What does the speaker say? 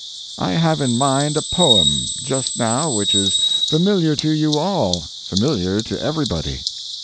] I have in mind a poem just now which is familiar to you all, familiar to everybody.